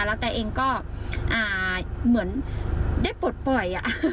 แล้วแต่เองก็เหมือนได้ปลดปล่อย